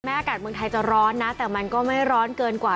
อากาศเมืองไทยจะร้อนนะแต่มันก็ไม่ร้อนเกินกว่า